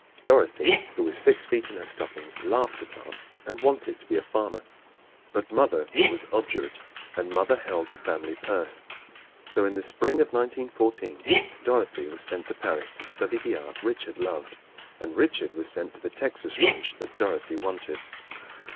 Dorothy, who was six feet in her stockings, laughed at art and wanted to be a farmer. But mother was obdurate and mother held the family purse. So, in the spring of 1914, Dorothy was sent to Paris to study the art Richard loved, and Richard was sent to the Texas ranch that Dorothy wanted.